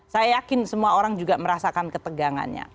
saya yakin semua orang juga merasakan ketegangannya